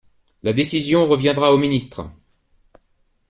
La décision reviendra au ministre.